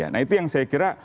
nah itu yang saya kira